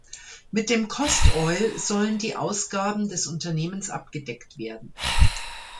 Mit dem Cost Oil sollen die Ausgaben des Unternehmens abgedeckt werden.